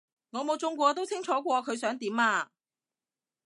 我冇中過都清楚過佢想點啊